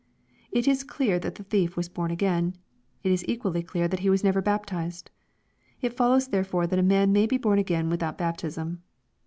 It B clear that the thief was born again. It is equally clear that he was never baptized. It follows therefore that a man may be bom again without baptism.